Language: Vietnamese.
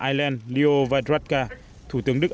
ireland leo vajratka thủ tướng đức